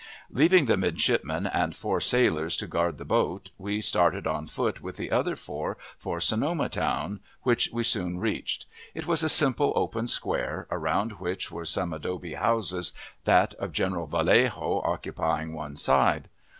Leaving the midshipman and four sailors to guard the boat, we started on foot with the other four for Sonoma Town, which we soon reached. It was a simple open square, around which were some adobe houses, that of General Vallejo occupying one side.